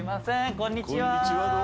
こんにちは。